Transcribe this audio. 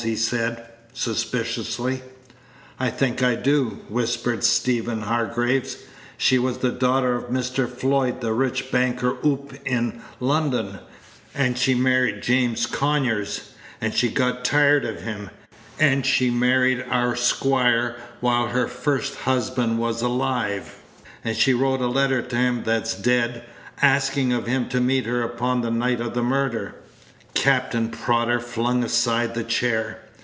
he said, suspiciously. "I think I do," whispered Stephen Hargraves. "She was the daughter of Mr. Floyd, the rich banker oop in London; and she married James Conyers, and she got tired of him; and she married our squire while her first husband was alive; and she wrote a letter to him that's dead, askin' of him to meet her upon the night of the murder." Captain Prodder flung aside the chair.